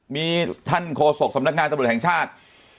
มีท่านโฆษกสำนักงานตำรวจแห่งชาติ